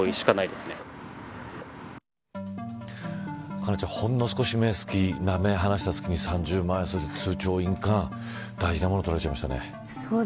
佳菜ちゃん、ほんの少し目を離したすきに３０万円そして通帳、印鑑、大事なものを取られちゃいましたね。